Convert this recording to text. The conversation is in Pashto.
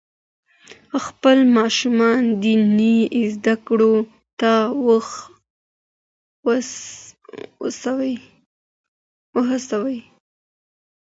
خپل ماشومان دیني زده کړو ته وهڅوئ.